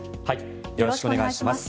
よろしくお願いします。